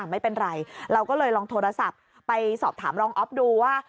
ไม่เป็นไรเราก็เลยลองโทรศัพท์ไปสอบถามรองอ๊อฟดูว่า